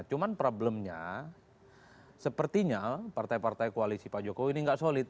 cuma problemnya sepertinya partai partai koalisi pak jokowi ini nggak solid